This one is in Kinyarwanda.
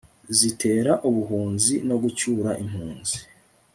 zitera ubuhunzi no gucyura impunzi